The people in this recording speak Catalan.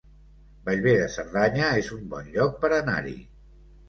Bellver de Cerdanya es un bon lloc per anar-hi